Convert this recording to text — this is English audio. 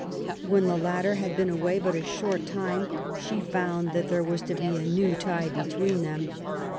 When the latter had been away but a short time, she found there was to be a new tie between them.